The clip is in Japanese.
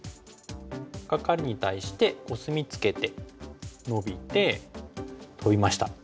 カカリに対してコスミツケてノビてトビました。